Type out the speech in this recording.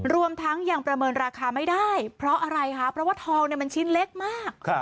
รวมทั้งยังประเมินราคาไม่ได้เพราะอะไรคะเพราะว่าทองมันชิ้นเล็กมาก